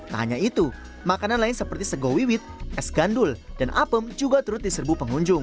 tak hanya itu makanan lain seperti segowiwit es gandul dan apem juga turut diserbu pengunjung